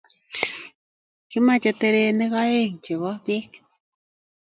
Kimache terenik oeng' chepo peek